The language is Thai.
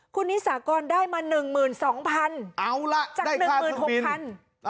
คุณนิสากรได้มาหนึ่งหมื่นสองพันเอาล่ะจากหนึ่งหมื่นสองพัน